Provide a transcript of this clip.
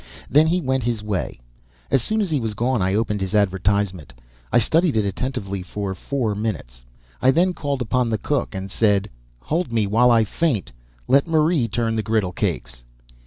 Then he went his way. As soon as he was gone I opened his advertisement. I studied it attentively for four minutes. I then called up the cook, and said: "Hold me while I faint! Let Marie turn the griddle cakes."